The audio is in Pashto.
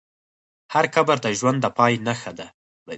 هر قبر د ژوند د پای نښه ده.